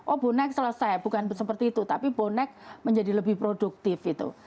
oh bonek selesai bukan seperti itu tapi bonek menjadi lebih produktif itu